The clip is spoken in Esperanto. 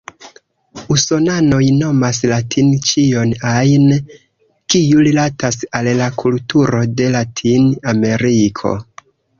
Usonanoj nomas "latin" ĉion ajn, kiu rilatas al la kulturo de Latin-Ameriko.